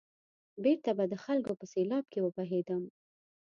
بېرته به د خلکو په سېلاب کې وبهېدم.